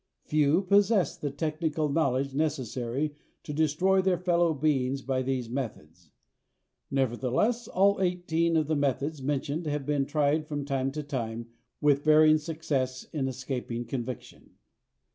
Few possess the technical knowledge necessary to destroy their fellow beings by these methods. Nevertheless, all eighteen of the methods mentioned have been tried from time to time with varying success in escaping conviction.